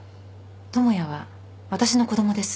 智也はわたしの子供です。